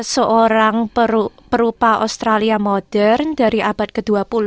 seorang perupa australia modern dari abad ke dua puluh